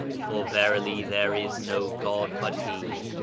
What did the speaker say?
"For verily there is no God but He."